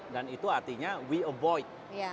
dan itu artinya we avoid